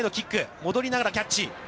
戻りながらキャッチ。